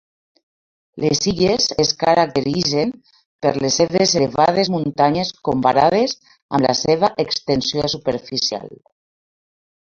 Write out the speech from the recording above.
Les illes es caracteritzen per les seves elevades muntanyes comparades amb la seva extensió superficial.